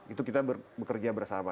itu kita bekerja bersama